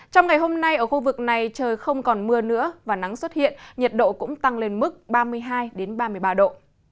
trong ngày hôm nay ở khu vực này trời không còn mưa nữa và nắng xuất hiện nhiệt độ cũng tăng lên mức ba mươi hai ba mươi ba độ